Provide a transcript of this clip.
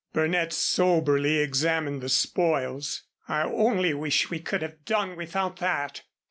Burnett soberly examined the spoils. "I only wish we could have done without that."